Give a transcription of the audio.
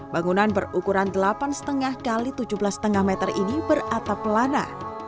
bangunan berukuran delapan lima x tujuh belas lima meter ini beratap lana